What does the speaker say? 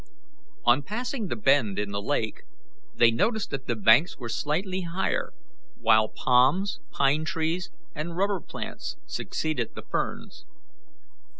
On passing the bend in the lake they noticed that the banks were slightly higher, while palms, pine trees, and rubber plants succeeded the ferns.